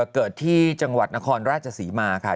เกิดที่จังหวัดนครราชศรีมาค่ะ